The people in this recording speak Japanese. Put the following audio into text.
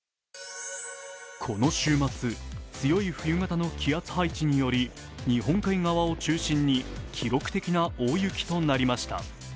この週末、強い冬型の気圧配置により日本海側を中心に記録的な大雪となりました。